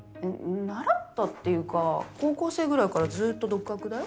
習ったっていうか高校生ぐらいからずーっと独学だよ。